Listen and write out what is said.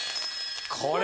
これ！